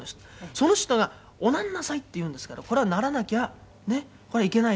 「その人が“おなんなさい”って言うんですからこれはならなきゃねこれはいけないだろう」